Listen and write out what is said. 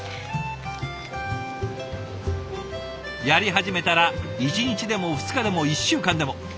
やり始めたら１日でも２日でも１週間でも。